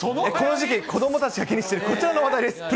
この時期、子どもたちが気にしているこちらの話題です。